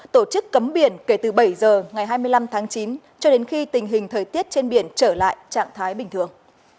tổ chức cấm biển kể từ bảy giờ ngày hai mươi năm tháng chín cho đến khi tình hình thời tiết trên biển trở lại trạng thái bình thường